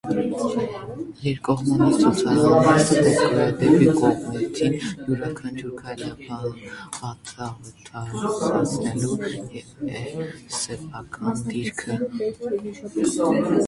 «Երկկողմանի ցուգցվանգների» դեպքում կողմերից յուրաքանչյուրի քայլը վատթարացնում է սեփական դիրքը։